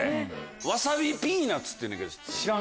わさびピーナツっていうねんけど知らん？